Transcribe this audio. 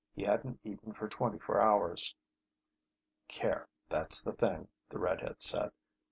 He hadn't eaten for twenty four hours. "Care, that's the thing," the red head said.